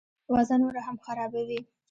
وضع نوره هم خرابوي.